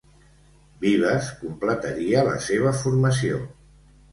Vives completaria la seva formació.